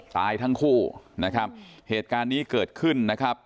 ตายทั้งคู่นะครับเหตุการณ์นี้เกิดขึ้นนะครับ